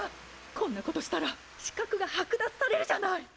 こんなことしたら資格が剥奪されるじゃない！